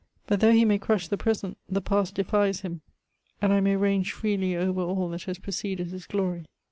But, though he may crush the present, the past defies him ; and I may range freely over all that has preceded his glory.